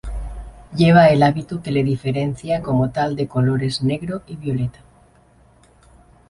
Lleva el hábito que le diferencia como tal de colores negro y violeta.